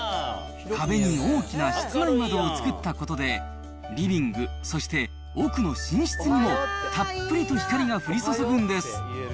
壁に大きな室内窓を作ったことで、リビング、そして奥の寝室にもたっぷりと光が降り注ぐんです。